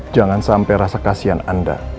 jangan sampai rasa kasihan anda